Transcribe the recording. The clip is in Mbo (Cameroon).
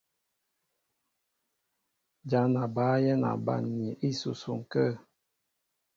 Ján a mǎl yɛ̌n a banmni ísusuŋ kə̂.